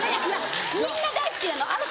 みんな大好きなの。